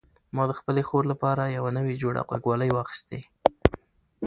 ما د خپلې خور لپاره یو نوی جوړه غوږوالۍ واخیستې.